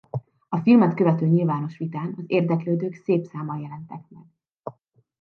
A filmet követő nyilvános vitán az érdeklődők szép számmal jelentek meg.